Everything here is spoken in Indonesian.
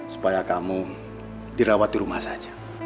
supaya kamu dirawat di rumah saja